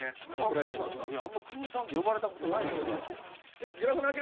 あんまくーさんって呼ばれたことないけどな。